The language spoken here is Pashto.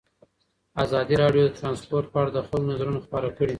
ازادي راډیو د ترانسپورټ په اړه د خلکو نظرونه خپاره کړي.